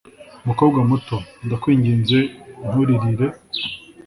"mukobwa muto, ndakwinginze nturirire.